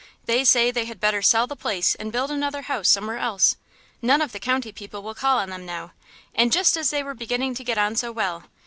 They say they had better sell the place and build another house somewhere else. None of the county people will call on them now and just as they were beginning to get on so well!